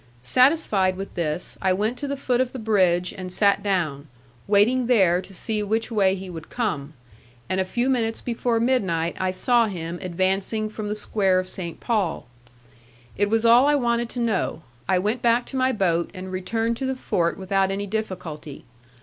Satisfied with this, I went to the foot of the bridge and sat down, waiting there to see which way he would come, and a few minutes before midnight I saw him advancing from the square of Saint Paul. It was all I wanted to know; I went back to my boat and returned to the fort without any difficulty.